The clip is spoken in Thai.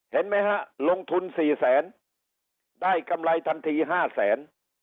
เห็นไหมฮะลงทุน๔แสนได้กำไรทันที๕แสน